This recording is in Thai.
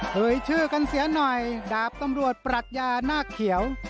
เอ่ยชื่อกันเสียหน่อยดาบตำรวจปรัชญานาคเขียว